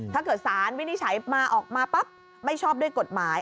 ถ้าเกิดสารวินิจฉัยมาออกมาปั๊บไม่ชอบด้วยกฎหมาย